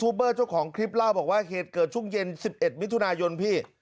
เบอร์เจ้าของคลิปเล่าบอกว่าเหตุเกิดช่วงเย็น๑๑มิถุนายนพี่